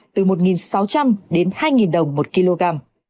từ một sáu trăm linh đến hai đồng một kg